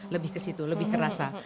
lebih ke situ lebih kerasa